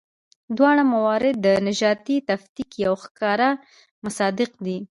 دواړه موارد د نژادي تفکیک یو ښکاره مصداق دي.